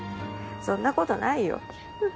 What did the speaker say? そんなことないよ。